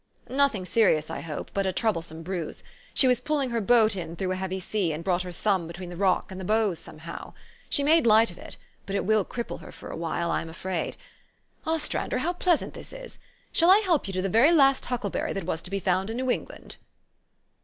" Nothing serious, I hope ; but a troublesome bruise. She was pulling her boat in through a heavy sea, and brought her thumb between the rock and the bows somehow. She made light of it ; but it will cripple her for a while, I am afraid. Os trander, how pleasant this is ! Shall I help you to the very last huckleberry that was to be found in New England?"